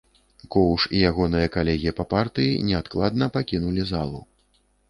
Коўш і ягоныя калегі па партыі неадкладна пакінулі залу.